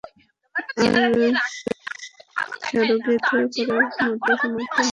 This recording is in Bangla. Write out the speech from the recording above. আর সারোগেট করার মতো সামর্থ্য তার কখনোই হবে না।